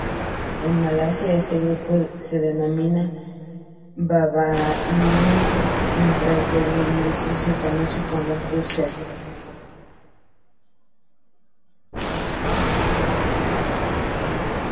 En Malasia, este grupo se denomina Baba-Nyonya, mientras en Indonesia se conoce como Kiau-Seng.